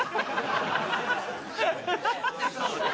フハハハ！